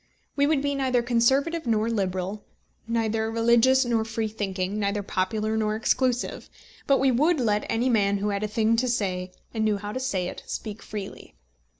We would be neither conservative nor liberal, neither religious nor free thinking, neither popular nor exclusive; but we would let any man who had a thing to say, and knew how to say it, speak freely.